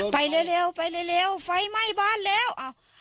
ไปเร็วไปเร็วไฟไหม้บ้านแล้ว